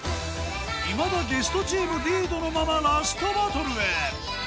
いまだゲストチームリードのままラストバトルへ！